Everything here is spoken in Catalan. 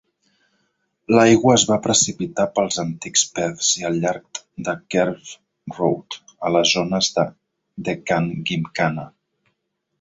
L'aigua es va precipitar pels antics "Peths" i al llarg de Karve Road, a les zones de Deccan Gymkhana.